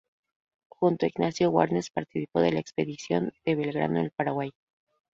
Junto a Ignacio Warnes participó de la Expedición de Belgrano al Paraguay.